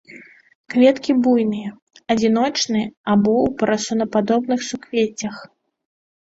Кветкі буйныя, адзіночныя або ў парасонападобных суквеццях.